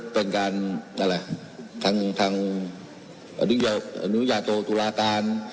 เป็นการอะไรทั้งทั้งอันยุยาโตตุลาการ